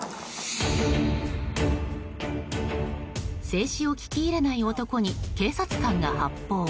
制止を聞き入れない男に警察官が発砲。